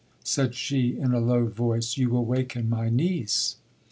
said she, in a low voice, vou will waken mv niece.